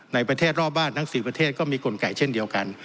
ในประเทศรอบบ้านทั้ง๔ประเทศก็มีกลไกเช่นเดียวกัน